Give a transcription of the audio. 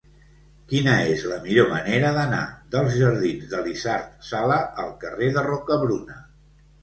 Quina és la millor manera d'anar dels jardins d'Elisard Sala al carrer de Rocabruna?